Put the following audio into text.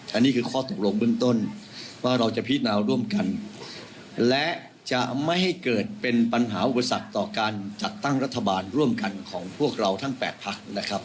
อันนี้คือข้อตกลงเบื้องต้นว่าเราจะพินาวร่วมกันและจะไม่ให้เกิดเป็นปัญหาอุปสรรคต่อการจัดตั้งรัฐบาลร่วมกันของพวกเราทั้ง๘พักนะครับ